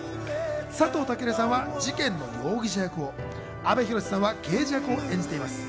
佐藤健さんは事件の容疑者役を、阿部寛さんは刑事役を演じています。